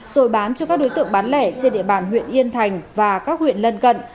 rồi bán cho các đối tượng bán lẻ trên địa bàn huyện yên thành và các huyện lân cận